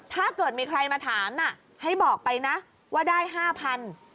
ถ้าเกิดมีใครมาถามน่ะให้บอกไปนะว่าได้๕๐๐บาท